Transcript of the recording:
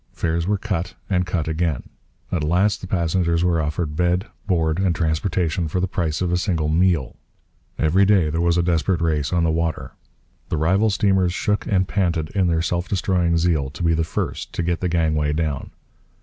Fares were cut and cut again. At last the passengers were offered bed, board, and transportation for the price of a single meal. Every day there was a desperate race on the water. The rival steamers shook and panted in their self destroying zeal to be the first to get the gangway down.